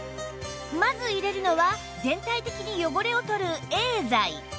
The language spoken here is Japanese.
まず入れるのは全体的に汚れを取る Ａ 剤